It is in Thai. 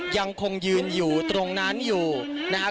ยังคงยืนอยู่ตรงนั้นอยู่นะครับ